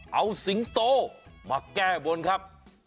เอาสิงโตมาแก้บนครับ